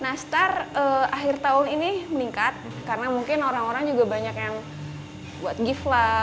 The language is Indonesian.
nastar akhir tahun ini meningkat karena mungkin orang orang juga banyak yang buat gif lah